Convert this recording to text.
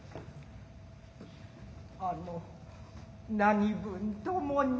あの何分ともに。